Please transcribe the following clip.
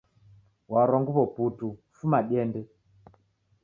Warwa nguw'o putu fuma diende